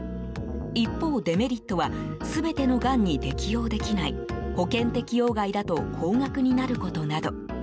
一方、デメリットは全てのがんに適応できない保険適用外だと高額になることなど。